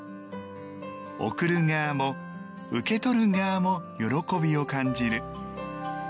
贈る側も、受け取る側も喜びを感じる。